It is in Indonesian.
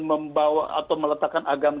membawa atau meletakkan agama